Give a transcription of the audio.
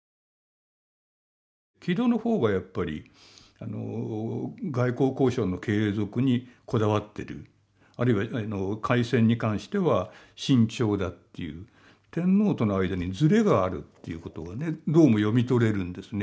木戸の方がやっぱり外交交渉の継続にこだわってるあるいは開戦に関しては慎重だっていう天皇との間にずれがあるっていうことがねどうも読み取れるんですね。